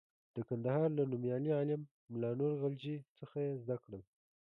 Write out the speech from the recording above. د کندهار له نومیالي عالم ملا نور غلجي څخه یې زده کړل.